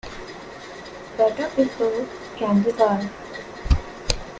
Butter Brickle... candy bar!